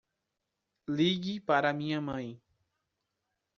Ligue para a minha mãe.